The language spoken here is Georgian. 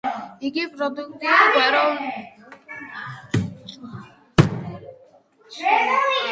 იგი პროდუქტია გვაროვნული წყობისა, როდესაც საზოგადოების ურთიერთობის დასაკმაყოფილებლად საკმარისი აღარ აღმოჩნდა მხოლოდ ბგერითი მეტყველება.